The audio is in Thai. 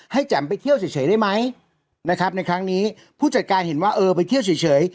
แจ๋มไปเที่ยวเฉยได้ไหมนะครับในครั้งนี้ผู้จัดการเห็นว่าเออไปเที่ยวเฉย